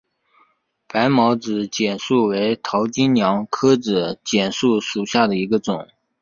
白毛子楝树为桃金娘科子楝树属下的一个种。